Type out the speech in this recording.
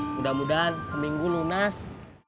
mudah mudahan seminggu lunas